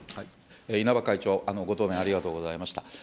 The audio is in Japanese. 稲葉会長、ご答弁ありがとうございました。